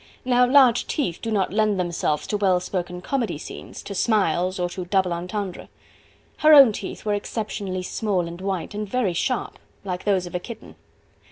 Now large teeth do not lend themselves to well spoken comedy scenes, to smiles, or to double entendre. Her own teeth were exceptionally small and white, and very sharp, like those of a kitten.